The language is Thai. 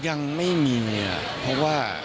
ยังไม่มีเพราะว่า